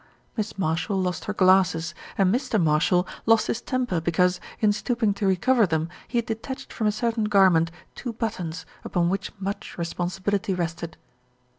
Miss Marshall lost her glasses, and Mr. Marshall lost his temper because, in stooping to recover them, he had detached from a certain garment two buttons, upon which much responsibility rested.